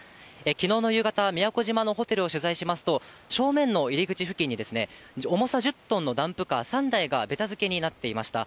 きのうの夕方、宮古島のホテルを取材しますと、正面の入り口付近に、重さ１０トンのダンプカー３台がべたづけになっていました。